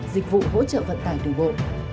dịch vụ hỗ trợ vận tải đường bộ